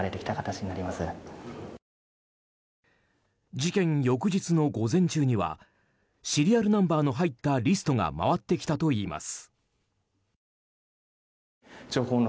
事件翌日の午前中にはシリアルナンバーの入ったリストが回ってきたといいます。